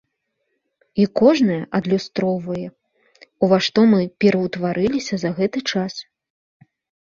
І кожная адлюстроўвае, у ва што мы пераўтварыліся за гэты час.